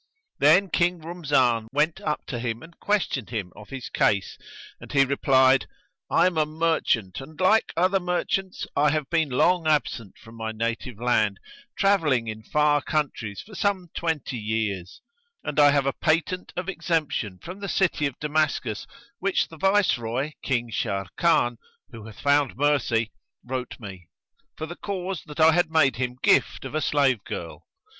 Then King Rumzan went up to him and questioned him of his case and he replied, "I am a merchant and, like other merchants, I have been long absent from my native land, travelling in far countries for some twenty years; and I have a patent of exemption from the city of Damascus which the Viceroy, King Sharrkan (who hath found mercy) wrote me, for the cause that I had made him gift of a slave girl.